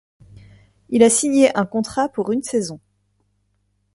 Il a signé un contrat pour une saison.